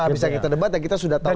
habisnya kita debat ya kita sudah tahu